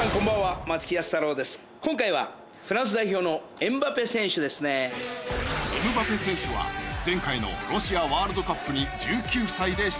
エムバペ選手は前回のロシアワールドカップに１９歳で出場。